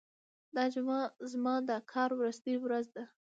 دا جمعه زما د کار وروستۍ ورځ ده.